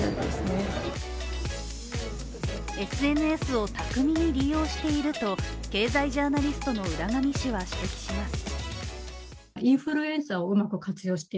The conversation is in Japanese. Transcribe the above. ＳＮＳを巧みに利用していると経済ジャーナリストの浦上氏は指摘します。